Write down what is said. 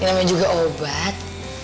ini namanya juga obat